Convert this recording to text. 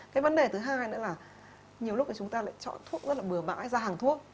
cái vấn đề thứ hai nữa là nhiều lúc là chúng ta lại chọn thuốc rất là bừa bãi ra hàng thuốc